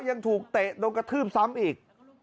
ยังถูกเตะโดนกระทืบซ้ำอีก